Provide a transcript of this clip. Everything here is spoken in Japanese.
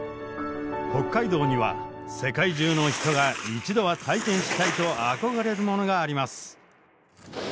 北海道には世界中の人が一度は体験したいと憧れるものがあります。